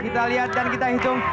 kita lihat dan kita incum